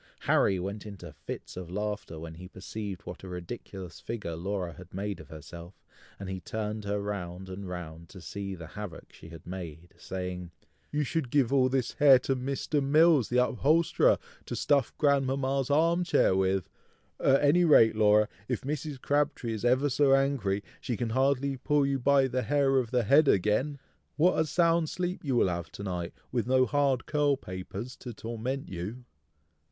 Harry went into fits of laughing when he perceived what a ridiculous figure Laura had made of herself, and he turned her round and round to see the havoc she had made, saying, "You should give all this hair to Mr. Mills the upholsterer, to stuff grandmama's arm chair with! At any rate, Laura, if Mrs. Crabtree is ever so angry, she can hardly pull you by the hair of the head again! What a sound sleep you will have to night, with no hard curl papers to torment you!"